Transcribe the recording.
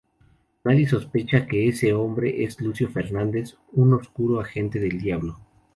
Nadie sospecha que ese hombre es Lucio Fernández, un oscuro agente del diablo.